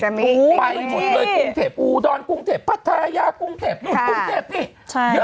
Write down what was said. อู๋ไปหมดเลยกรุงเทพฯอู๋ดอนกรุงเทพฯพัทยากรุงเทพฯโรงกรุงเทพฯนี่